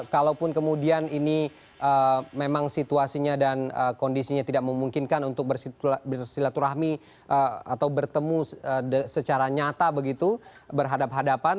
kalaupun kemudian ini memang situasinya dan kondisinya tidak memungkinkan untuk bersilaturahmi atau bertemu secara nyata begitu berhadapan hadapan